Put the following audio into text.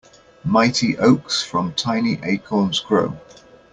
Mighty oaks from tiny acorns grow.